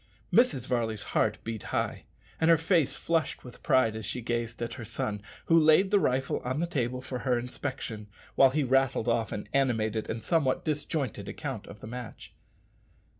Mrs. Varley's heart beat high, and her face flushed with pride as she gazed at her son, who laid the rifle on the table for her inspection, while he rattled off an animated and somewhat disjointed account of the match.